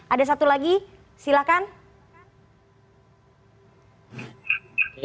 ada satu lagi silahkan